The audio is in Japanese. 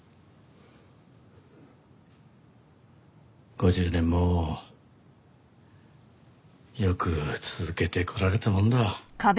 ５０年もよく続けてこられたもんだ。